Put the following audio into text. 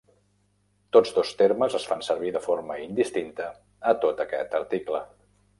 Tots dos termes es fan servir de forma indistinta a tot aquest article.